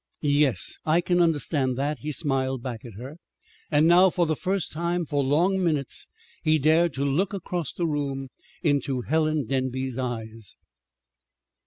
"Yes, I can understand that," he smiled back at her. And now, for the first time for long minutes, he dared to look across the room into Helen Denby's eyes.